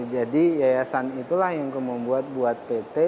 jadi hiayasan itulah yang membuat pt